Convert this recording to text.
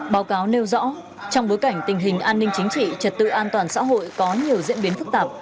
báo cáo nêu rõ trong bối cảnh tình hình an ninh chính trị trật tự an toàn xã hội có nhiều diễn biến phức tạp